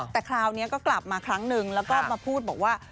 แต่คราวนี้ก็กลับมาครั้งนึงแล้วก็มาพูดบอกว่า